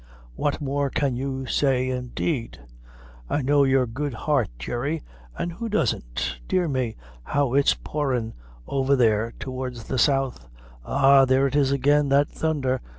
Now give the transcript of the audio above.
"What more can you say, indeed! I know your good heart, Jerry, as who doesn't? Dear me, how it's poorin' over there towards the south ha, there it is again, that thundher!